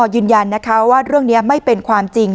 ยืนยันนะคะว่าเรื่องนี้ไม่เป็นความจริง